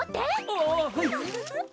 あっはい。